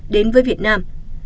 đến với việt nam